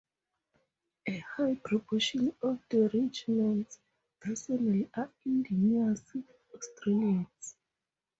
A high proportion of the regiment's personnel are Indigenous Australians.